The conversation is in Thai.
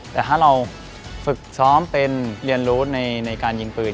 แต่ถ้าเราฝึกซ้อมเป็นเรียนรู้ในการยิงปืน